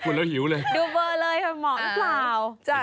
คุณแล้วหิวเลยดูเบอร์เลยค่ะเหมาะหรือเปล่า